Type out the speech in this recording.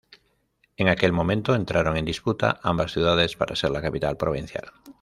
En aquel momento, entraron en disputa ambas ciudades para ser la capital provincial.